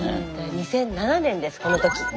２００７年ですこの時。